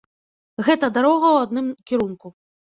Гэта дарога ў адным кірунку.